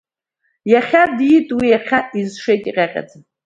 Иахьа диит уи, иахьа изшеит иҟьаҟьаӡа.